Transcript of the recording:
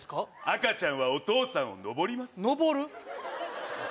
赤ちゃんはお父さんをのぼりますのぼる？